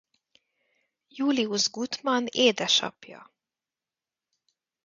Julius Guttmann édesapja.